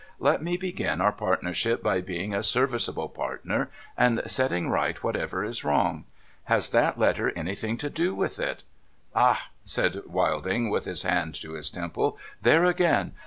Let me begin our partnership by being a serviceable partner, and setting right whatever is wrong. Has that letter anything to do with it?' ' Hah !' said Wilding, with his hand to his temple. ' There again